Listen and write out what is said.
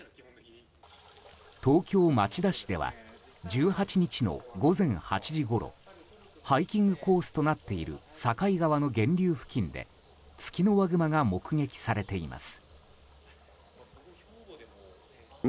東京・町田市では１８日の午前８時ごろハイキングコースとなっている境川の源流付近でツキノワグマが目撃されています。